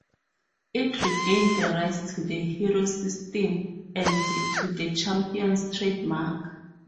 It regained the rights to the "Hero System" and to the "Champions" trademark.